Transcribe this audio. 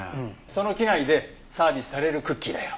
その機内でサービスされるクッキーだよ。